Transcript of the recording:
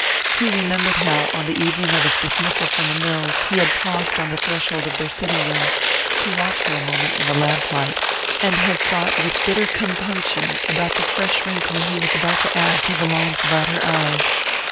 He remembered how, on the evening of his dismissal from the mills, he had paused on the threshold of their sitting room to watch her a moment in the lamplight, and had thought with bitter compunction of the fresh wrinkle he was about to add to the lines about her eyes.